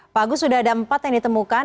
pak agus sudah ada empat yang ditemukan